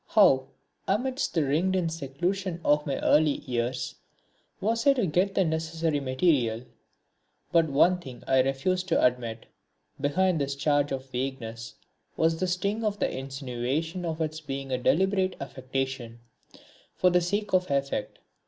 How, amidst the ringed in seclusion of my early years, was I to get the necessary material? But one thing I refuse to admit. Behind this charge of vagueness was the sting of the insinuation of its being a deliberate affectation for the sake of effect.